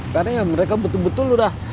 karena mereka betul betul udah